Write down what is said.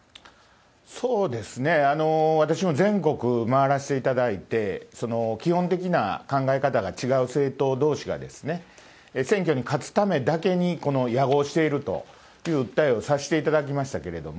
私も全国回らしていただいて、基本的な考え方が違う政党どうしが、選挙に勝つためだけに野合しているという訴えをさせていただきましたけれども、